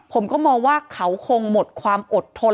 ผมก็มองว่าเขาคงหมดความอดทน